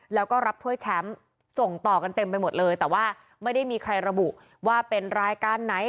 แล้วก็รับถ้วยแชมป์ส่งต่อกันเต็มไปหมดเลยแต่ว่าไม่ได้มีใครระบุว่าเป็นรายการไหน